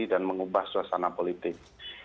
dan mengubah suasana politik